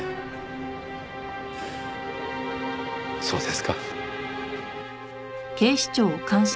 そうですか。